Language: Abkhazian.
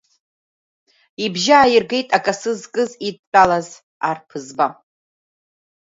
Ибжьы ааиргеит акасы зкыз идтәалаз арԥызба.